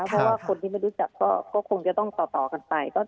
เพราะว่าคนที่ไม่รู้จักก็คงจะต้องต่อกันไป